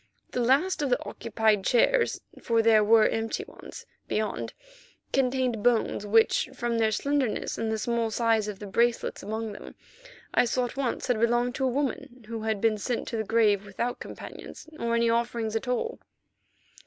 The last of the occupied chairs, for there were empty ones beyond, contained bones which, from their slenderness and the small size of the bracelets among them, I saw at once had belonged to a woman who had been sent to the grave without companions or any offerings at all.